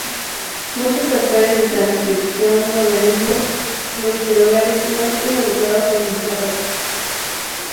Muchos factores de transcripción de organismos pluricelulares están involucrados en el desarrollo.